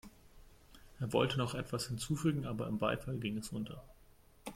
Er wollte noch etwas hinzufügen, aber im Beifall ging es unter.